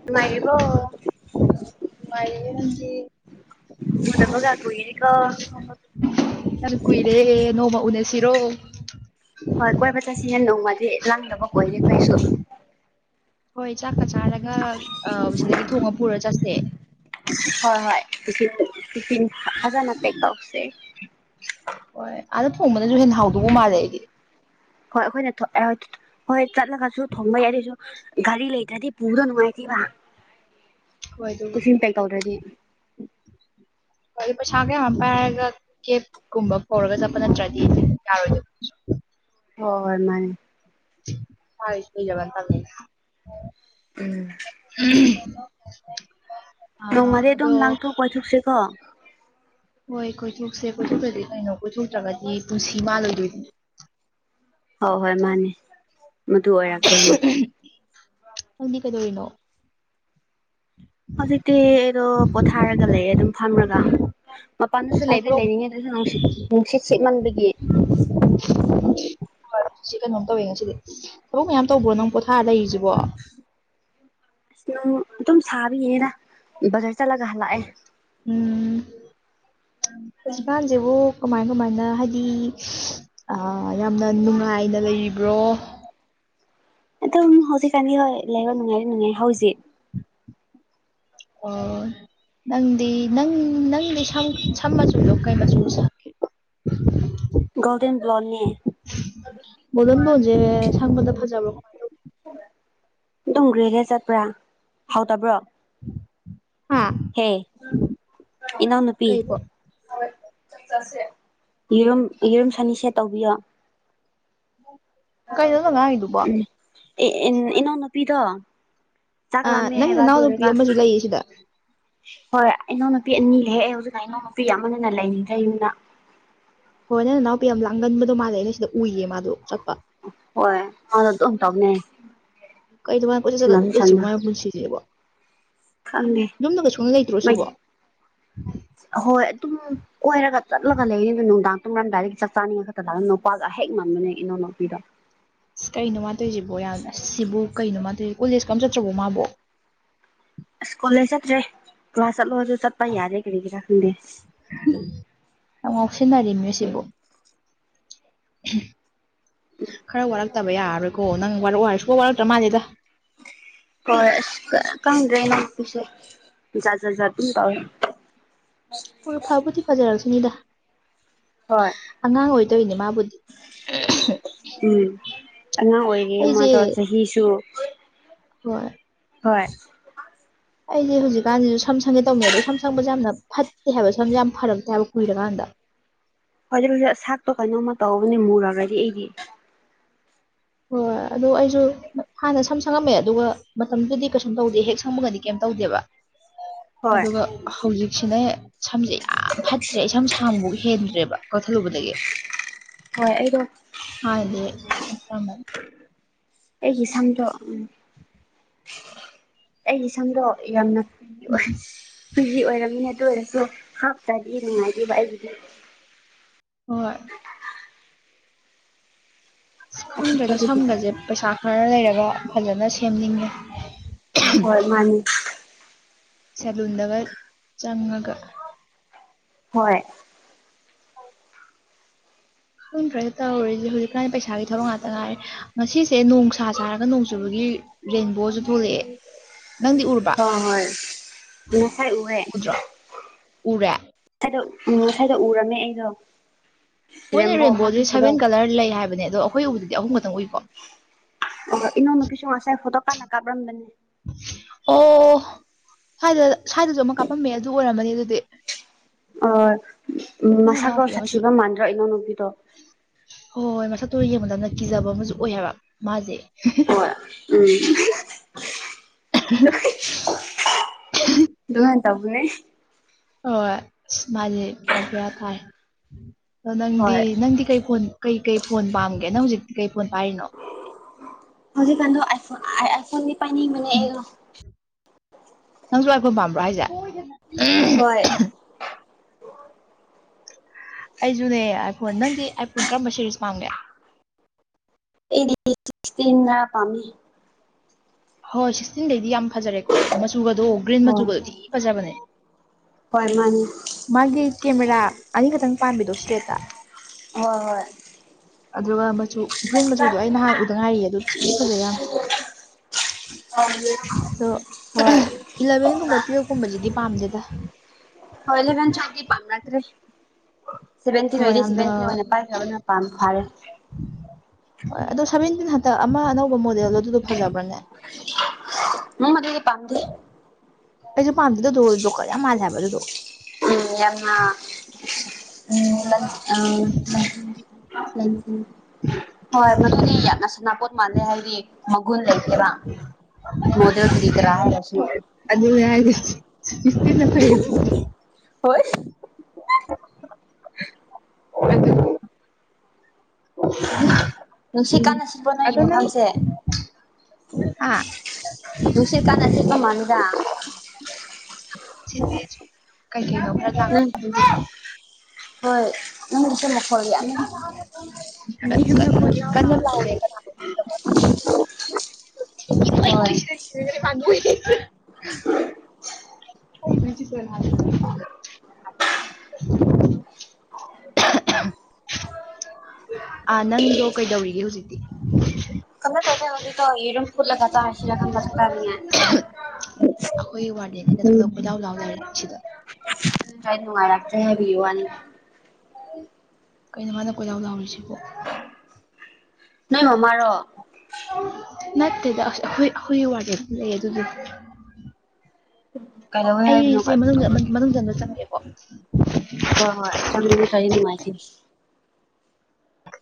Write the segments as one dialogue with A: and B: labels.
A: ꯅꯨꯉꯥꯏꯔꯝꯕꯣ
B: [unintelligible] ꯅꯪꯗꯤ
A: ꯎꯨꯗꯕꯒ ꯀꯨꯏ
B: ꯌꯥꯝ ꯀꯨꯏꯔꯦ ꯅꯣꯡꯃ ꯎꯅꯁꯤꯔꯣ
A: ꯍꯣꯏ ꯀꯣꯏꯕ ꯆꯠꯁꯤꯅ ꯅꯣꯡꯃꯗꯤ ꯂꯪꯗꯕ ꯀꯣꯏꯔꯦ ꯀꯩꯁꯨ
B: ꯍꯣꯏ ꯆꯥꯛꯀ ꯆꯥꯔꯒ ꯑ ꯁꯤꯗꯒꯤ ꯊꯣꯡꯉ ꯄꯨꯔ ꯆꯠꯁꯦ
A: ꯍꯣꯏ ꯍꯣꯏ ꯇꯤꯐꯤꯟ ꯇꯤꯐꯤꯟ ꯐꯖꯅꯥ ꯄꯦꯛ ꯇꯧꯁꯦ
B: ꯍꯣꯏ ꯑꯥꯗ ꯊꯣꯡꯕꯅꯁꯨ ꯍꯦꯟꯅ ꯍꯥꯎꯗꯧꯕ ꯃꯥꯜꯂꯦ ꯑꯩꯗꯤ
A: ꯍꯣꯏ ꯑꯩꯈꯣꯏꯅ ꯍꯣꯏ ꯆꯠꯂꯒꯁꯨ ꯊꯣꯡꯕ ꯌꯥꯏ ꯑꯗꯨꯏꯁꯨ ꯒꯥꯔꯤ ꯂꯩꯇ꯭ꯔꯗꯤ ꯄꯨꯕꯗꯣ ꯅꯨꯡꯉꯥꯏꯇꯦꯕ
B: ꯍꯣꯏ ꯑꯗꯨꯕꯨꯗꯤ
A: ꯇꯦꯐꯤꯟ ꯄꯦꯛ ꯇꯧꯗ꯭ꯔꯗꯤ
B: [unintelligible] ꯍꯣꯏ ꯑꯗꯨ ꯄꯩꯁꯥ ꯃꯌꯥꯝ ꯄꯥꯏꯔꯒ ꯀꯦꯕꯀꯨꯝꯕ ꯀꯧꯔꯒ ꯆꯠꯄ ꯅꯠꯇ꯭ꯔꯗꯤ ꯌꯥꯔꯣꯏꯗꯣꯢꯕ
A: ꯍꯣꯏ ꯍꯣꯢ ꯃꯥꯅꯦ
B: [inaudible]
A: ꯎꯝ
B: ꯎꯝ [inaudible]
A: ꯅꯣꯡꯃꯗꯤ ꯑꯗꯨꯝ ꯂꯥꯡꯊꯣꯛꯄ ꯆꯠꯊꯣꯛꯁꯤꯀꯣ
B: ꯍꯣꯏ ꯀꯣꯏꯊꯣꯛꯁꯦ ꯀꯣꯏꯊꯣꯛꯇꯗꯤ ꯀꯩꯅꯣ ꯀꯣꯏꯊꯣꯛꯇ꯭ꯔꯒꯗꯤ ꯄꯨꯟꯁꯤ ꯃꯥꯜꯂꯣꯏꯗꯣꯏꯅꯤ
A: ꯍꯣꯏ ꯍꯣꯏ ꯃꯥꯅꯦ ꯃꯗꯨ ꯑꯣꯏꯔ ꯑꯣꯢꯗꯨꯢꯅꯦ
B: ꯅꯪꯗꯤ ꯀꯩꯗꯧꯔꯤꯅꯣ
A: ꯍꯧꯖꯤꯛꯇꯤ ꯑꯩꯗꯣ ꯄꯣꯊꯥꯔꯒ ꯂꯩꯌꯦ ꯑꯗꯨꯝ ꯐꯝꯔꯒ ꯃꯄꯥꯟꯗꯨꯁꯨ
B: ꯉꯁꯥꯏ
A: ꯂꯩꯗꯤ
B: ꯊꯕꯛ
A: ꯂꯩꯅꯤꯡꯉꯦ ꯑꯗꯨ ꯑꯣꯢꯁꯨ ꯅꯨꯡꯁꯤꯠ ꯅꯨꯡꯁꯤꯠ ꯁꯤꯠꯃꯟꯕꯒꯤ
B: ꯁꯤꯀꯩꯅ ꯅꯣꯟꯇ ꯑꯣꯏꯒꯁꯤꯗꯤ ꯊꯕꯛ ꯃꯌꯥꯝ [inaudible] ꯇꯧꯕ꯭ꯔꯣ ꯅꯪ ꯄꯣꯊꯥꯔ ꯂꯩꯁꯤꯕꯣ
A: ꯑꯁ ꯑꯗꯨꯝ ꯁꯥꯕꯒꯤꯅꯤꯗ ꯕꯖꯥꯔ ꯆꯠꯂꯒ ꯍꯜꯂꯛꯑꯦ
B: ꯎꯝ ꯍꯧꯖꯤꯒꯥꯟꯁꯤꯕꯨ ꯀꯃꯥꯏ ꯀꯃꯥꯏꯅ ꯍꯥꯏꯗꯤ ꯑ ꯌꯥꯝꯅ ꯅꯨꯡꯉꯥꯏꯅ ꯂꯩꯔꯤꯕ꯭ꯔꯣ
A: ꯑꯗꯨꯝ ꯍꯧꯖꯤꯛꯀꯥꯟꯗꯤ ꯍꯣꯏ ꯂꯩꯕ ꯅꯨꯡꯉꯥꯏꯗꯤ ꯅꯨꯡꯉꯥꯏ ꯍꯧꯖꯤꯛ
B: ꯑꯣ ꯅꯪꯗꯤ ꯅꯪ ꯅꯪꯗꯤ ꯁꯝ ꯃꯆꯨꯗꯣ ꯀꯩ ꯃꯆꯨ ꯁꯡꯒꯦ [unintelligible]
A: ꯒ꯭ꯔꯥꯗꯦꯟ ꯕ꯭ꯂꯣꯟꯅꯤ
B: ꯒꯣꯜꯗꯦꯟ ꯒꯣꯜ ꯖꯦ ꯁꯪꯕꯗꯥ ꯐꯖꯕ
A: ꯑꯗꯨꯝ ꯒ꯭ꯔꯦꯒꯦ ꯆꯠꯄ꯭ꯔꯥ ꯍꯥꯎꯇꯕ꯭ꯔꯣ [inaudible]
B: ꯍꯥ
A: ꯍꯦ ꯏꯅꯥꯎ ꯅꯨꯄꯤ
B: ꯀꯩꯕꯣ
A: ꯌꯦꯔꯨꯝ ꯌꯦꯔꯨꯝ ꯁꯅꯤꯁꯦ ꯇꯧꯕꯤꯌꯣ
B: ꯀꯩꯅꯣ ꯅꯪ ꯉꯥꯡꯉꯤꯗꯨꯕꯣ
A: ꯎꯝ ꯑꯦ ꯑꯦ ꯏꯅꯥꯎ ꯅꯨꯄꯤꯗꯣ ꯆꯥꯛ
B: ꯑꯥ
A: ꯂꯥꯝꯃꯦ
B: ꯅꯪ
A: ꯍꯥꯏꯕ ꯑꯗꯨ ꯑꯣꯏꯔꯒ
B: ꯅꯅꯥꯎꯅꯨꯄꯤ ꯑꯃꯁꯨ ꯂꯩꯌꯦ ꯁꯤꯗ
A: ꯍꯣꯏ ꯏꯅꯥꯎꯅꯨꯄꯤ ꯑꯅꯤ ꯂꯩ ꯑꯩ ꯍꯧꯖꯤꯛꯅ ꯏꯅꯥꯎ ꯅꯨꯄꯤ ꯌꯥꯝꯃꯅ ꯂꯩꯅꯤꯡꯗ꯭ꯔ ꯌꯨꯝꯗ
B: ꯍꯣꯏ ꯅꯪ ꯅꯅꯥꯎꯄꯤ ꯌꯥꯝ ꯂꯥꯡꯒꯟꯕꯗꯣ ꯃꯥꯜꯂꯦ ꯑꯩꯅ ꯁꯤꯗ ꯎꯏꯌꯦ ꯃꯥꯗꯣ ꯆꯠꯄ
A: ꯍꯣꯏ ꯍꯥꯟꯅ ꯑꯗꯨꯝ ꯇꯧꯕꯅꯦ
B: ꯀꯩꯅꯣ ꯃꯥꯅ ꯀꯣꯏꯆꯠ ꯆꯠꯂꯒ
A: ꯁꯥꯟꯅꯁꯨ
B: ꯑꯗꯨꯝ ꯂꯩꯁꯤꯕꯣ ꯃꯥꯏ ꯄꯨꯟꯁꯤꯁꯤꯕꯣ
A: ꯈꯪꯉꯦ
B: ꯌꯨꯝꯗꯒ ꯁꯨꯡꯂꯩ ꯂꯩꯇ꯭ꯔꯣ ꯁꯤꯕꯣ
A: ꯍꯣꯏ ꯑꯗꯨꯝ [inaudible] ꯀꯣꯏꯔꯒ ꯆꯠꯂꯒ ꯂꯩꯅꯤꯗꯣ ꯅꯨꯡꯗꯥꯡ ꯇꯨꯝꯔꯝꯗꯥꯏꯔꯦꯛꯀꯤ ꯆꯥꯛ ꯆꯥꯅꯤꯡꯉ ꯈꯛꯇ ꯂꯥꯛꯌꯦ ꯅꯨꯄꯥꯒ ꯍꯦꯛ ꯉꯝꯕꯅꯦ ꯏꯅꯥꯎꯅꯨꯄꯤꯗꯣ
B: ꯑꯁ ꯀꯩꯅꯣ ꯃꯥꯅ ꯇꯧꯔꯤꯁꯤꯕꯣ ꯌꯥꯝ ꯑꯁ ꯁꯤꯕꯨ ꯀꯩꯅꯣ ꯃꯥꯅ ꯇꯧꯔꯤꯁꯤꯕꯨ ꯀꯣꯂꯦꯖꯀ ꯑꯃ ꯆꯠꯇ꯭ꯔꯕꯣ ꯃꯥꯕꯣ
A: ꯑꯁ ꯀꯣꯂꯦꯖ ꯆꯠꯇ꯭ꯔꯦ ꯀ꯭ꯂꯥꯁ ꯆꯠꯂꯣꯁꯨ ꯆꯠꯄ ꯌꯥꯗꯦ ꯀꯔꯤꯒꯤꯔꯥ ꯈꯪꯗꯦ
B: ꯌꯥꯝ ꯉꯥꯎꯁꯟꯅꯔꯦꯃꯦ ꯁꯤꯕꯨ ꯈꯔ ꯋꯥꯔꯛꯇꯕ ꯌꯥꯔꯔꯣꯏꯀꯣ ꯅꯪ ꯋꯥꯔꯛ ꯑꯣ ꯍꯥꯏꯔꯒ ꯁꯨꯡꯋꯥ ꯋꯥꯔꯛꯇ꯭ꯔ ꯃꯥꯜꯂꯦꯗ
A: ꯍꯣꯢ ꯀꯪꯗꯔꯦ ꯢꯅꯥꯎꯅꯨꯄꯤꯁꯦ ꯖꯥꯠ ꯖꯥꯠ ꯑꯗꯨꯝ ꯇꯨꯌꯦ
B: ꯍꯣꯢ ꯐꯥꯕꯨꯗꯤ ꯐꯖꯔꯛꯆꯅꯤꯗ
A: ꯍꯣꯏ
B: ꯑꯉꯥꯡ ꯑꯣꯏ ꯇꯧꯔꯤꯅꯦ ꯃꯥꯕꯨꯗꯤ
A: ꯎꯝ ꯑꯉꯥꯡ ꯑꯣꯏꯔꯤꯌꯦ
B: ꯑꯩꯁꯦ
A: ꯑꯗꯣ ꯆꯍꯤꯁꯨ
B: ꯍꯣꯏ
A: ꯍꯣꯏ
B: ꯑꯩꯁꯦ ꯍꯧꯖꯤꯛꯀꯥꯟꯁꯤꯁꯨ ꯁꯝ ꯁꯪꯒꯦ ꯇꯧꯅꯦ ꯑꯗꯣ ꯁꯝ ꯁꯪꯕꯁꯦ ꯌꯥꯝꯅ ꯐꯠꯇꯦ ꯍꯥꯏꯕ ꯁꯝꯁꯦ ꯌꯥꯝꯅ ꯐꯔꯛꯇꯦ ꯍꯥꯏꯕ ꯀꯨꯏꯔꯀꯥꯟꯗ
A: ꯍꯣꯏꯗ ꯍꯧꯖꯤꯛ ꯁꯥꯛꯇꯣ ꯀꯩꯅꯣꯝꯃ ꯇꯧꯕꯅꯦ ꯃꯨꯔꯛꯑꯗꯤ ꯑꯩꯗꯤ
B: ꯍꯣꯏ ꯑꯗꯣ ꯑꯩꯁꯨ ꯍꯥꯟꯅ ꯁꯝ ꯁꯪꯉꯝꯃꯦ ꯑꯗꯨꯒ ꯃꯇꯝꯗꯨꯗꯤ ꯀꯩꯁꯨꯝ ꯇꯧꯗꯦ ꯍꯦꯛ ꯁꯪꯕꯒꯗꯤ ꯀꯩꯝ ꯇꯧꯗꯦꯕ [unintelligible]
A: ꯍꯣꯏ
B: ꯑꯗꯨꯒ ꯍꯧꯖꯤꯛꯁꯤꯅ ꯁꯝꯁꯦ ꯌꯥꯝ ꯐꯠꯇ꯭ꯔꯦ ꯁꯝ ꯁꯥꯡꯕꯐꯥꯎ ꯍꯦꯟꯗ꯭ꯔꯦꯕ ꯀꯛꯊꯠꯂꯨꯕꯗꯒꯤ [inaudible]
A: ꯍꯣꯏ ꯑꯩꯗꯣ
B: [unintelligible] ꯍꯥꯟꯅꯗꯤ ꯈꯔ
A: [unintelligible] ꯑꯩꯒꯤ ꯁꯝꯗꯣ ꯎꯝ ꯑꯩꯒꯤ ꯁꯝꯗꯣ ꯌꯥꯝꯅ ꯀ ꯑꯣꯏ ꯀꯨꯖꯤ ꯑꯣꯏꯔꯝꯅꯤꯕ ꯑꯗꯨ ꯑꯣꯏꯔꯁꯨ ꯍꯥꯞꯇ꯭ꯔꯗꯤ ꯅꯨꯡꯉꯥꯏꯇꯦꯕ ꯑꯩꯒꯤꯗꯤ
B: ꯍꯣꯏ ꯑꯁ ꯈꯪꯗ꯭ꯔꯦꯗ
A: ꯑꯊꯤꯛꯄꯗꯨꯒꯤꯗꯣ
B: ꯁꯝꯒꯁꯦ ꯄꯩꯁꯥ ꯈꯔ ꯂꯩꯔꯒ ꯐꯖꯅ ꯁꯦꯝꯅꯤꯡꯉꯦ
A: ꯍꯣꯏ ꯃꯥꯅꯤ
B: ꯁꯦꯂꯨꯟꯗꯒ ꯆꯪꯉꯒ
A: ꯍꯣꯏ
B: ꯈꯪꯗꯔ꯭ꯦ ꯗ ꯇꯧꯔꯤꯁꯤ ꯍꯧꯖꯤꯛꯀꯥꯟꯗꯤ ꯄꯩꯁꯥꯒꯤ ꯊꯕꯛ ꯉꯥꯛꯇ ꯉꯥꯏꯔꯦ ꯉꯁꯤꯁꯦ ꯅꯣꯡꯁꯥ ꯁꯥꯔꯒ ꯅꯣꯡ ꯆꯨꯕꯒꯤ ꯔꯦꯟꯕꯣꯁꯨ ꯊꯣꯛꯂꯛꯑꯦ ꯅꯪꯗꯤ ꯎꯔ
A: ꯍꯣꯏ ꯍꯣꯏ ꯉꯁꯥꯏ ꯎꯋꯦ
B: ꯎꯗ꯭ꯔꯣ ꯎꯔꯦ
A: ꯁꯥꯏꯗ ꯎꯝ ꯁ꯭ꯋꯥꯏꯗ ꯎꯔꯝꯃꯦ ꯑꯩꯗꯣ
B: ꯃꯣꯏꯅ
A: ꯔꯦꯝꯕꯣ ꯑꯃ
B: ꯔꯦꯟꯕꯣꯖꯤ
A: ꯊꯣꯛꯄꯗꯣ
B: ꯁꯚꯦꯟ ꯀꯂꯔ ꯂꯩ ꯍꯥꯏꯕꯅꯦ ꯑꯗꯣ ꯑꯩꯈꯣꯏ ꯎꯕꯗꯗꯤ ꯑꯍꯨꯝ ꯈꯛꯇꯪ ꯎꯏꯀꯣ
A: ꯑ ꯏꯅꯧ ꯅꯨꯄꯤꯁꯨ ꯉꯁꯥꯏ ꯐꯣꯇꯣ ꯀꯥꯟꯅ ꯀꯥꯞꯔꯝꯕꯅꯦ
B: ꯑꯣ ꯁ꯭ꯋꯥꯏꯗ ꯁ꯭ꯋꯥꯏꯗꯁꯨ ꯑꯃꯨꯛ ꯀꯥꯞꯄꯝꯃꯦ ꯑꯗꯨ ꯑꯣꯏꯔꯝꯃꯅꯤ ꯑꯗꯨꯗꯤ
A: ꯑꯣ
B: ꯅꯪ
A: ꯃꯁꯛꯇꯣ
B: ꯅꯅꯥꯎꯄꯤ
A: ꯁꯥꯊꯤꯕ ꯃꯥꯟꯗ꯭ꯔꯣ ꯏꯅꯥꯎꯅꯨꯄꯤꯗꯣ
B: ꯍꯣꯏ ꯍꯣꯏ ꯃꯁꯛꯇꯨ ꯌꯦꯡꯕ ꯃꯇꯝꯗ ꯀꯤꯖꯕ ꯑꯃꯁꯨ ꯑꯣꯏ ꯍꯥꯏꯕ ꯃꯥꯁꯦ
A: ꯍꯣꯏ ꯎꯝ ꯑꯗꯨꯃꯥꯏ ꯇꯧꯕꯅꯤ
B: ꯍꯣꯏ ꯑꯁ ꯃꯥꯗꯤ ꯄꯨꯔꯥ ꯕꯦꯔꯥ ꯇꯥꯏ ꯑꯗꯣ ꯅꯪꯗꯤ
A: ꯍꯣꯏ
B: ꯅꯪꯗꯤ ꯀꯩ ꯐꯣꯟ ꯀꯩ-ꯀꯩ ꯐꯣꯟ ꯄꯥꯝꯒꯦ ꯅꯪ ꯍꯧꯖꯤꯛꯇꯤ ꯀꯩ ꯐꯣꯟ ꯄꯥꯏꯔꯤꯅꯣ
A: ꯍꯧꯖꯤꯛ ꯀꯥꯟꯗꯣ ꯑꯥꯏ ꯐꯣꯟꯗꯤ ꯄꯥꯏꯅꯤꯡꯕꯅꯦ ꯑꯩꯗꯣ
B: ꯅꯪꯁꯨ ꯑꯥꯏꯐꯣꯟ ꯄꯥꯝꯕ꯭ꯔꯣ ꯍꯥꯏꯁꯦ ꯎꯝ
A: ꯍꯣꯏ
B: ꯑꯩꯁꯨꯅꯦ ꯑꯥꯏ ꯐꯣꯟ ꯅꯪꯗꯤ ꯑꯥꯏꯐꯣꯟ ꯀꯔꯝꯕ ꯁꯦꯔꯤꯁ ꯄꯥꯝꯒꯦ
A: ꯑꯩꯗꯤ ꯄꯝꯃꯤ
B: ꯍꯣꯏ ꯁꯤꯛꯁꯇꯤꯟꯗꯩꯗꯤ ꯌꯥꯝ ꯐꯖꯔꯦꯀꯣ ꯃꯆꯨꯒꯗꯣ ꯒ꯭ꯔꯤꯟ
A: ꯍꯣꯏ
B: ꯃꯆꯨꯒꯗꯤ ꯊꯤ ꯐꯖꯕꯅꯦ
A: ꯍꯣꯏ ꯃꯥꯅꯤ
B: ꯃꯥꯒꯤ ꯀꯦꯃꯦꯔꯥ ꯑꯅꯤꯈꯛꯇꯪ ꯄꯥꯟꯕꯤꯗꯣ ꯁꯇ꯭ꯔꯦꯠꯇ
A: ꯍ‌ꯣꯏ-ꯍꯣꯏ
B: ꯑꯗꯨꯒ ꯃꯆꯨ ꯒ꯭ꯔꯤꯟ ꯃꯆꯨꯗꯣ ꯑꯩ ꯅꯍꯥꯟ ꯎꯗ ꯉꯥꯏꯔꯤꯌꯦ ꯑꯗꯨ ꯊꯤ ꯐꯖꯩꯌꯦ ꯌꯥꯝ ꯑꯗꯣ
A: ꯍꯣꯏ
B: ꯏꯂꯚꯦꯟꯒꯨꯝꯕ ꯇꯨꯋꯦꯜꯕꯀꯨꯝꯕꯁꯤꯗꯤ ꯄꯥꯝꯗꯦꯗ
A: ꯍꯣꯏ ꯏꯂꯚꯦꯟ ꯇꯨꯋꯦꯜꯕꯇꯤ ꯄꯥꯝꯅꯗꯔ꯭ꯦ ꯁꯚꯦꯟꯇꯤꯟ
B: ꯍꯣꯏ
A: ꯑꯣꯏꯗꯤ
B: ꯌꯥꯝꯅ
A: ꯁꯚꯦꯟꯇꯤꯟ ꯑꯣꯏꯅ ꯄꯥꯏꯈ꯭ꯔꯕꯅ ꯄꯥꯝ ꯐꯥꯔꯦ
B: ꯍꯣꯏ ꯑꯗꯣ ꯁꯚꯦꯟꯇꯤꯟ ꯍꯟꯇꯛ ꯑꯃ ꯑꯅꯧꯕ ꯃꯣꯗꯦꯜ ꯑꯗꯨꯗꯣ ꯐꯖꯕ꯭ꯔꯅꯦ
A: ꯎꯝ ꯑꯗꯨꯗꯤ ꯄꯥꯝꯗꯦ
B: ꯑꯩꯁꯨ ꯄꯥꯝꯗꯦ ꯖꯣꯀꯔ ꯌꯥꯝ ꯃꯥꯜꯂꯦ ꯍꯥꯏꯕ ꯑꯗꯨꯗꯣ
A: ꯎꯝ ꯌꯥꯝꯅ ꯎꯝ ꯎꯝ ꯍꯣꯏ ꯃꯗꯨꯗꯤ ꯌꯥꯝꯅ ꯁꯅꯥꯄꯣꯠ ꯃꯥꯜꯂꯦ ꯍꯥꯏꯗꯤ ꯃꯒꯨꯟ ꯂꯩꯇꯦꯕ ꯃꯣꯗꯦꯜ ꯀꯔꯤ ꯀꯔꯥ ꯍꯥꯏꯔꯁꯨ
B: ꯑꯗꯨꯅꯦ ꯍꯥꯏꯁꯦ ꯁꯤꯀꯁꯇꯤꯟꯅ ꯐꯩꯕ
A: ꯍꯣꯏ
B: [unintelligible]
A: ꯍ
B: ꯍ
A: ꯅꯨꯡꯁꯤꯠ
B: ꯎꯝ
A: ꯀꯥꯟꯅ ꯁꯤꯠꯄ꯭ꯔꯣ ꯅꯣꯏꯒꯤ
B: ꯑꯗꯨꯗꯣ ꯅꯝ
A: ꯃꯐꯝꯁꯦ
B: [unintelligible] [unintelligible]
A: ꯃꯟꯗ
B: ꯆ ꯀꯩ
A: ꯎꯝ ꯍꯣꯏ ꯅꯪꯒꯤꯁꯨ ꯃꯈꯣ ꯌꯥꯅꯤ
B: ꯑ ꯀꯃ ꯂꯅꯦ
A: ꯎꯝ
B: ꯄ [unintelligible] ꯄꯨꯁꯤꯁꯣꯏ ꯑ ꯅꯪꯗꯣ ꯀꯩꯗꯧꯔꯤꯒꯦ ꯍꯧꯖꯤꯛꯇꯤ
A: ꯀꯃꯥꯏ ꯌꯦꯔꯨꯝ ꯐꯨꯠꯂꯒ ꯆꯥꯔꯁꯤꯔ ꯈꯟꯕ ꯆꯥꯛ ꯆꯥꯅꯤꯡꯉ‌ꯦ
B: ꯑꯩꯈꯣꯏꯒꯤ ꯋꯥꯔꯗꯦꯟꯁꯤꯅ ꯊꯣꯔꯛꯂꯒ ꯀꯣꯏꯂꯥꯑꯣ ꯂꯥꯎ ꯂꯩꯔꯦ ꯁꯤꯗ
A: ꯥꯏ ꯅꯨꯡꯉꯥꯏꯔꯛꯇ꯭ꯔꯦ ꯍꯥꯏꯕꯤꯌꯣꯅꯤ
B: ꯀꯩꯅꯣ ꯍꯥꯏꯥꯟꯗ ꯀꯣꯏꯔꯥꯎ ꯂꯥꯎꯔꯤꯁꯤꯕꯣ
A: ꯅꯣꯏ ꯃꯃꯥꯣ
B: ꯅꯠꯇꯦꯗ ꯑꯩꯈꯣꯏ ꯑꯩꯈꯣꯏꯒꯤ ꯋꯥꯔꯗ ꯑꯗꯨꯝ ꯂꯩ ꯑꯗꯨꯗꯤ
A: ꯍꯂꯣ
B: ꯑꯩꯖ‌ꯦ ꯃꯅꯨꯡꯗ [inaudible] ꯃꯅꯨꯡꯗ ꯑꯝꯗ ꯆꯪꯒꯦꯀꯣ
A: ꯍꯣꯏ ꯍꯣꯏ ꯆꯉ ꯆꯔꯤ ꯅꯨꯡꯉꯥꯏꯇꯦ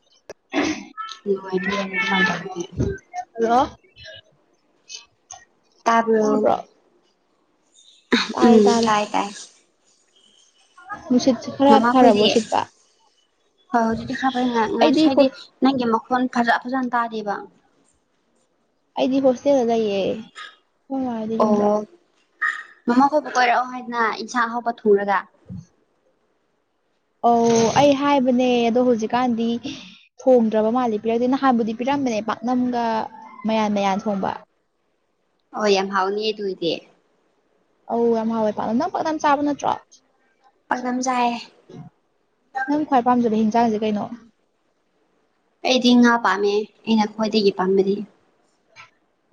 B: [unintelligible]
A: ꯗꯤ ꯑꯗꯨ ꯃꯥꯏ ꯇꯧꯕꯅꯦ
B: ꯍꯜꯂꯣ
A: ꯇꯕꯣ
B: ꯇꯥꯕ꯭ꯔꯣ ꯇꯥꯔꯦ
A: ꯎꯝ
B: ꯇꯥꯔꯦ
A: ꯥꯏ ꯥꯏ
B: ꯅꯨꯡꯁꯤꯠꯁꯦ ꯈꯔ
A: ꯃꯃꯥ
B: ꯐꯔꯕꯣ
A: ꯈꯣꯏꯗꯤ
B: ꯁꯤꯠꯄ
A: ꯍꯣꯏ ꯍꯧꯖꯤꯛꯇꯤ ꯈꯔ ꯐꯩ
B: ꯑꯩꯗꯤ
A: ꯉꯁꯥꯏꯗꯤ ꯅꯪꯒꯤ ꯃꯈꯣꯟ ꯐꯖ ꯐꯖꯅ ꯇꯥꯗꯦꯕ
B: ꯑꯩꯗꯤ ꯍꯣꯁꯇꯦꯔꯥꯖꯥꯏꯌꯦ
A: ꯑꯣ ꯃꯃꯥ ꯍꯕ ꯀꯣꯏꯔꯛꯑꯣ ꯍꯥꯏꯗꯅ ꯏꯟꯁꯥꯡ ꯑ ꯍꯥꯎꯕ ꯊꯨꯔꯒ
B: ꯑꯣ ꯑꯩ ꯍꯥꯏꯕꯅꯦ ꯑꯗꯣ ꯍꯧꯖꯤꯛꯀꯥꯟꯗꯤ ꯊꯣꯡꯗ꯭ꯔꯕ ꯃꯥꯜꯜꯂꯤ ꯄꯤꯔꯛꯇꯦ ꯅꯍꯥꯟꯕꯨꯗꯤ ꯄꯤꯔꯝꯕꯅꯦ ꯄꯥꯛꯅꯝꯒ ꯃꯌꯥꯟ ꯃꯌꯥꯟ ꯊꯣꯡꯕ
A: ꯍ ꯌꯥꯝ ꯍꯥꯎꯅꯤ ꯑꯗꯨꯏꯗꯤ
B: ꯑꯧ ꯌꯥꯝ ꯍꯥꯎꯋꯦ ꯄꯥꯛꯅꯝ ꯅꯪ ꯄꯥꯛꯅꯝ ꯆꯥꯕ ꯅꯠꯇ꯭ꯔꯣ
A: ꯄꯝꯖꯥꯏꯌꯦꯦ
B: ꯅꯪ ꯈ꯭ꯋꯥꯏ ꯄꯥꯝꯖꯕ ꯍꯟꯁꯥꯡꯁꯦ ꯀꯩꯅꯣ
A: ꯑꯩꯗꯤ ꯉꯥ ꯄꯥꯝꯃꯦ ꯑꯩꯅ ꯈ꯭ꯋꯥꯏꯗꯒꯤ ꯄꯥꯝꯕꯗꯤ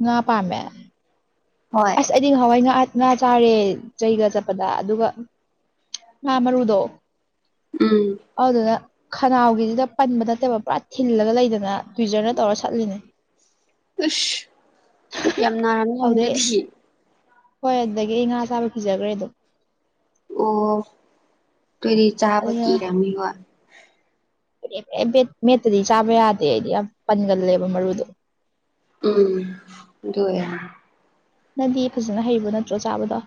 B: ꯉꯥ ꯄꯥꯝꯃꯦ
A: ꯍꯣꯏ
B: ꯑꯁ ꯑꯩꯗꯤ ꯍꯋꯥꯏ ꯉꯥ ꯉꯥ ꯆꯥꯔꯦ ꯆꯩꯒ ꯆꯠꯄꯗ ꯑꯗꯨꯒ ꯍꯥ ꯃꯔꯔ ꯎꯗꯣ
A: ꯎꯝ
B: ꯍꯥꯎꯗꯗ ꯈꯅꯥꯎꯒꯤꯗꯨꯗ ꯄꯟꯕ ꯅꯠꯇꯦꯕ ꯄꯨꯔꯥ ꯊꯤꯜꯂꯒ ꯂꯩꯗꯅ ꯇ꯭ꯋꯤꯖꯔꯅ ꯇꯧꯔ ꯁꯠꯂꯤꯅꯦ
A: ꯁ ꯌꯥꯝ ꯅꯥꯔ
B: ꯑꯗꯨꯗꯩ
A: ꯌꯥꯝꯨꯔꯗꯤ
B: ꯍꯣꯏ ꯑꯗꯨꯗꯒꯤ ꯑꯩ ꯉꯥ ꯆꯥꯕ ꯐꯤꯖꯈ꯭ꯔꯦ ꯑꯗꯣ
A: ꯑꯣ ꯇꯣꯏꯗꯤ ꯆꯥꯕ ꯀꯤꯔꯝꯅꯤꯕ
B: ꯦ ꯃꯦꯠꯇꯗꯤ ꯆꯥꯕ ꯌꯥꯗꯦ ꯑꯩꯗꯤ ꯌꯥꯝ ꯄꯟꯒꯜꯂꯦꯕ ꯃꯔꯨꯗꯣ
A: ꯎꯝ ꯑꯗꯨꯌꯦ
B: ꯅꯗꯤ ꯐꯖꯅ ꯍꯩꯔꯤꯕ ꯅꯠꯇ꯭ꯔꯣ ꯆꯥꯕꯗꯣ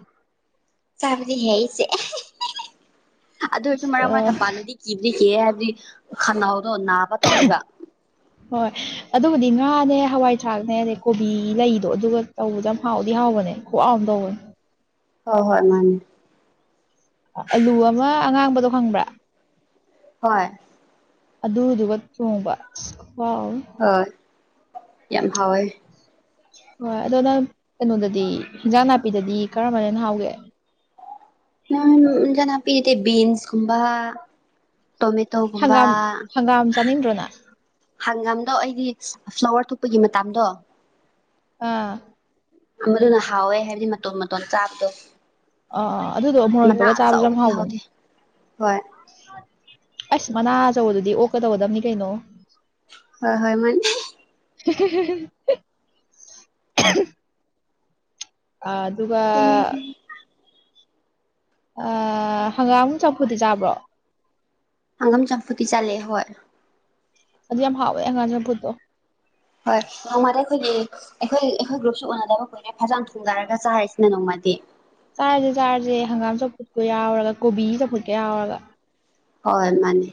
A: ꯆꯥꯕꯗꯤ ꯍꯦꯛꯁꯦ ꯑꯗꯨ ꯑꯣꯏꯔꯁꯨ ꯃꯔꯥꯡ
B: ꯑ
A: ꯃꯔꯛꯇ ꯄꯥꯜꯂꯗꯤ ꯀꯤꯕꯗꯤ ꯀꯤꯌ‌ꯦ ꯍꯥꯏꯕꯗꯤ ꯈꯅꯥꯎꯗꯣ ꯅꯥꯕ ꯇꯧꯋꯦꯕ
B: [inaudible] ꯍꯣꯏ ꯑꯗꯨꯕꯨꯗꯤ ꯉꯥꯅꯦ ꯍꯋꯥꯏ ꯊꯔꯥꯛꯅꯦ ꯑꯗꯩ ꯀꯣꯕꯤ ꯂꯩꯗꯣ ꯑꯗꯨꯒ ꯇꯧꯕꯗꯣ ꯍꯥꯎꯗꯤ ꯍꯥꯎꯕꯅꯦ ꯈꯨꯍꯥꯎ ꯑꯃ ꯇꯧꯕꯅꯦ
A: ꯍꯣꯏ ꯍꯣꯏ ꯃꯥꯅꯦ
B: ꯑꯂꯨ ꯑꯃ ꯑꯉꯥꯡꯕꯗꯣ ꯈꯪꯕ꯭ꯔꯥ
A: ꯍꯣꯏ
B: ꯑꯗꯨꯗꯨꯒ ꯊꯣꯡꯕ ꯑꯁ ꯈꯨꯍꯥꯎ ꯃꯥ
A: ꯍꯣꯏ ꯌꯥꯝ ꯍꯥꯎꯋꯦ
B: ꯍꯣꯏ ꯑꯗꯨꯗꯣ ꯅꯪ ꯀꯩꯅꯣꯗꯗꯤ ꯏꯟꯖꯥꯡ ꯅꯥꯄꯤꯗꯗꯤ ꯀꯔꯝꯕꯅ ꯍꯥꯎꯒꯦ
A: ꯅꯪ ꯏꯟꯖꯥꯡ ꯅꯥꯄꯤꯒꯤꯗꯤ ꯕꯤꯟꯁꯀꯨꯝꯕ ꯇꯣꯃꯦꯇꯣ
B: ꯍꯪꯒꯥꯝ ꯍꯪꯒꯥꯝ ꯆꯥꯅꯤꯡꯗ꯭ꯔꯣ ꯅꯪ
A: ꯍꯪꯒꯥꯝꯗꯣ ꯑꯩꯗꯤ ꯐ꯭ꯂꯥꯋꯔ ꯊꯣꯛꯄꯒꯤ ꯃꯇꯝꯗꯣ
B: ꯑꯥ
A: ꯃꯗꯨꯅ ꯍꯥꯎꯋꯦ ꯍꯥꯏꯕꯗꯤ ꯃꯇꯣꯟ ꯃꯇꯣꯟ ꯆꯥꯕꯗꯣ
B: ꯑꯥ ꯑꯗꯨꯗꯣ ꯃꯣꯔꯣꯛ
A: ꯃꯅꯥ
B: ꯃꯦꯠꯄꯒ ꯆꯥꯕꯖꯨ ꯌꯥꯝ
A: ꯑꯆꯧꯕꯗꯤ
B: ꯍꯥꯎꯕ
A: ꯍꯥꯎꯇꯦ ꯍꯣꯏ
B: ꯑꯁ ꯃꯅꯥ ꯑꯆꯧꯕꯗꯨꯗꯤ ꯑꯣꯛꯀꯗꯧꯒꯗꯕꯅꯤ ꯀꯩꯅꯣ
A: ꯍꯣ ꯍꯣꯏ ꯃꯥꯅꯦ
B: [unintelligible] ꯑꯗꯨꯒ ꯍꯪꯒꯥꯝ ꯆꯥꯝꯐꯨꯗꯤ ꯆꯥꯕ꯭ꯔꯣ
A: ꯍꯪꯉꯝ ꯆꯝꯐꯨꯗꯤ ꯆꯠꯂꯦ ꯍꯣꯏ
B: ꯑꯗꯨ ꯌꯥꯝ ꯍꯥꯎꯋꯦ ꯍꯪꯒꯥꯝ ꯆꯝꯐꯨꯠ ꯇꯣ
A: ꯍꯣꯏ ꯅꯣꯡꯃꯗ ꯑꯩꯈꯣꯏꯒꯤ ꯑꯩꯈꯣꯏ-ꯑꯩꯈꯣꯏ ꯒ꯭ꯔꯨꯞꯁꯨ ꯎꯅꯗꯕ ꯀꯨꯏ ꯐꯖꯟ ꯊꯣꯡꯗꯥꯔꯒ ꯆꯥꯔꯁꯤꯅ ꯅꯣꯡꯃꯗꯤ
B: ꯆꯥꯔꯖꯦ ꯆꯥꯔꯖꯦ ꯍꯪꯒꯥꯝ ꯆꯧꯐꯨꯠꯀ ꯌꯥꯎꯔꯒ ꯀꯣꯕꯤ ꯆꯧꯐꯨꯠꯀ ꯌꯥꯎꯔꯒ
A: ꯍꯣꯏ ꯃꯥꯅꯦ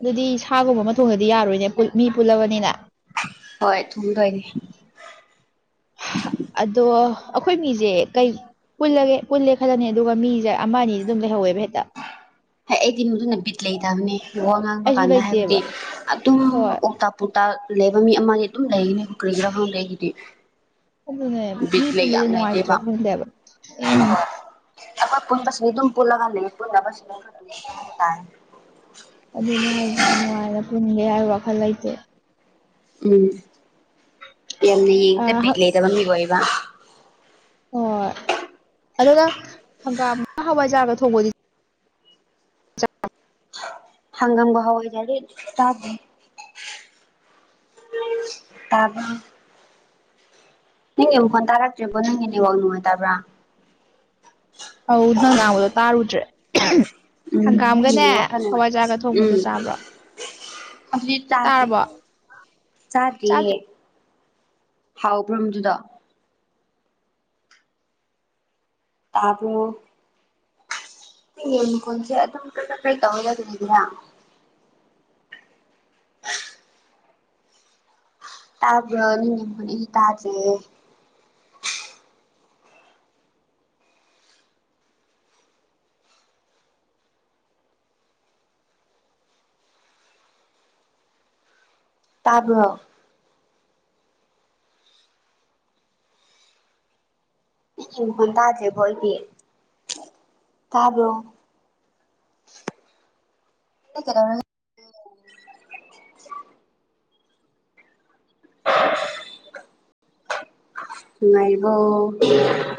B: ꯑꯗꯨꯗꯤ ꯁꯥꯒꯨꯝꯕ ꯑꯃꯥ ꯊꯣꯡꯗꯔ꯭ꯗꯤ ꯌꯥꯔꯣꯏꯅꯦ ꯃꯤ ꯄꯨꯜꯂꯕꯅꯤꯅ
A: ꯍꯣꯏ ꯊꯨꯝꯗꯣꯏꯅꯤ
B: ꯑꯗꯣ ꯑꯩꯈꯣꯏ ꯃꯤꯖꯦ ꯀꯩ ꯄꯨꯜꯂꯒꯦ ꯄꯨꯜꯂꯦ ꯈꯜꯂꯅꯤ ꯑꯗꯨꯒ ꯃꯤꯖꯦ ꯑꯃ ꯑꯅꯤꯗꯤ ꯑꯗꯨꯝ ꯂꯩꯍꯧꯋꯦꯕ ꯍꯦꯛꯇ
A: ꯍꯦ ꯑꯩꯗꯤ ꯃꯗꯨꯅ ꯕꯤꯠ ꯂꯩꯇꯕꯅꯤ ꯋꯥ ꯉꯥꯡꯕ
B: ꯑꯩꯁꯨ
A: ꯀꯥꯟꯗ ꯍꯥꯏꯕꯗꯤ
B: ꯂꯩꯇꯦꯕ
A: ꯑꯗꯨꯝ
B: ꯍꯣꯏ
A: ꯑꯣꯛ ꯇꯥꯛ ꯄꯥꯎꯇꯥ ꯂꯩꯕ ꯃꯤ ꯑꯃꯒꯤ ꯑꯗꯨꯝ ꯂꯩꯒꯅꯤ ꯀ꯭ꯔꯤꯒꯤꯔꯥ ꯈꯪꯗꯦ ꯑꯩꯒꯤꯗꯤ
B: ꯑꯗꯨꯅꯦ ꯃꯤ
A: ꯕꯤꯠ ꯂꯩ
B: ꯄꯨꯟꯕꯖꯤ
A: ꯌꯥꯝ ꯂꯩꯇꯦꯕ
B: ꯅꯨꯡꯉꯥꯏꯇꯔꯥ ꯈꯪꯗꯦ ꯍꯥꯏꯕ
A: ꯑꯈ‌ꯣꯏ ꯄꯨꯟꯕꯁꯤꯡꯗꯤ ꯑꯗꯨꯝ ꯄꯨꯜꯂꯒ ꯂꯩꯌ‌ꯦ ꯄꯨꯟꯗꯕ ꯁꯤꯡꯗꯣ ꯈꯔ ꯄꯨꯟꯁꯤꯜꯂꯛ ꯑ‌ꯣ ꯍꯥꯏꯕ ꯇꯥꯔꯦ
B: ꯑꯗꯨꯅꯤ ꯍꯥꯏꯖꯦ ꯅꯨꯡꯉꯥꯏꯅ ꯄꯨꯟꯒꯦ ꯍꯥꯏꯕꯒꯤ ꯋꯥꯈꯜ ꯂꯩꯇꯦ
A: ꯎꯝ ꯌꯥꯝꯅ
B: ꯑ
A: ꯌꯦꯡꯇ ꯕꯤꯠ
B: ꯍ-
A: ꯂꯩꯗꯕ ꯃꯤꯕꯨ ꯑꯣꯏꯕ
B: ꯍ‌ꯣꯏ ꯑꯗ‌ꯨ ꯅ‌ꯪ ꯍꯪꯒꯥꯝꯒ ꯍꯋꯥꯏꯖꯥꯔꯒ ꯊꯣꯡꯕꯗꯤ [unintelligible]
A: ꯍꯪꯒꯝꯒ ꯍꯋꯥꯏꯖꯔꯗꯤ ꯆꯥꯗꯔꯤ ꯇꯥꯕ꯭ꯔꯣ ꯅꯪꯒꯤꯃꯈ‌ꯣꯟ ꯇꯥꯔꯛꯇ꯭ꯔ‌ꯦꯕꯣ ꯅꯪꯒꯤ ꯅꯦꯋꯥꯛ ꯅꯨꯡꯉꯥꯏꯇꯕ꯭ꯔꯥ
B: ꯑꯧ ꯅꯪ ꯉꯥꯡꯕꯗꯣ ꯇꯥꯔꯨꯗ꯭ꯔꯦ
A: ꯎꯝ ꯅꯪꯒꯤ
B: ꯍꯪꯒꯥꯝꯒꯅꯦ
A: ꯅꯦꯠꯋꯥꯛ ꯈꯔ ꯅꯨꯡꯉꯥꯏ
B: ꯍꯋꯥꯏꯖꯥꯔꯒ ꯊꯣꯡꯕꯗꯣ
A: ꯎꯝ
B: ꯆꯥꯕ꯭ꯔꯣ
A: ꯑꯗꯨꯗꯤ ꯆꯥꯗꯔꯤ
B: ꯇꯥꯔꯕꯣ ꯆꯥꯗ꯭ꯔꯤ
A: ꯆꯥꯗ꯭ꯔꯤꯌꯦ ꯍꯥꯎꯕ꯭ꯔꯣ ꯃꯗꯨꯗꯣ ꯇꯥꯕ꯭ꯔꯣ [unintelligible] ꯇꯥꯕ꯭ꯔꯣ [inaudible] ꯑꯩꯗꯤ ꯇꯥꯗꯔꯤꯌ‌ꯦ ꯇꯥꯕꯂꯣ ꯇꯥꯗꯦꯕꯣ ꯑꯩꯗꯤ ꯇꯥꯕ꯭ꯔꯣ [inaudible] [inaudible] ꯅꯨꯡ ꯉꯥꯏꯔꯤꯕꯣ [unintelligible]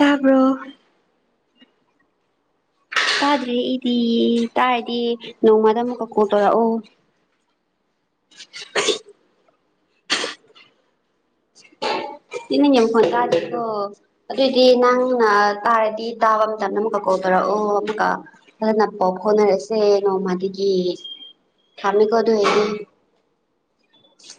A: ꯇꯥꯕ꯭ꯔꯣ ꯇꯥꯗ꯭ꯔꯦ ꯑꯩꯗꯤ ꯇꯥꯔꯗꯤ ꯅꯣꯡꯃꯗ ꯑꯃꯨꯛꯀ ꯀꯣꯜ ꯇꯧꯔꯛꯑꯣ
B: [inaudible] [inaudible]
A: [unintelligible] ꯑꯗꯨꯑꯣꯏꯗꯤ ꯅꯪꯅ ꯇꯥꯔꯗꯤ ꯇꯥꯕ ꯃꯇꯝꯗ ꯑꯃꯨꯛꯀ ꯀ‌ꯣꯜ ꯇꯧꯔꯛ ꯑꯣ ꯑꯃꯨꯛꯀ ꯑꯗꯨꯅꯄꯣ ꯐꯣꯠꯅꯔꯁꯦ ꯅꯣꯡꯃꯗꯒꯤ ꯈꯥꯝꯃꯦꯀꯣ ꯑꯗꯨ ꯑꯩꯗꯤ